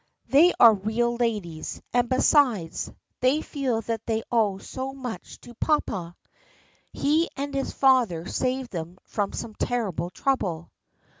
They are real ladies, and besides, they feel that they owe so much to papa. He and his father saved them from some terrible trouble."